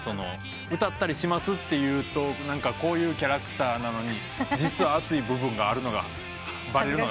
「歌ったりします」と言うとこういうキャラクターなのに実は熱い部分があるのがバレるのが恥ずいですけど。